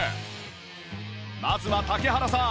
まずは竹原さん